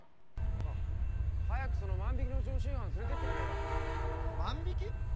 あっ早くその万引きの常習犯連れてってくれよ万引き？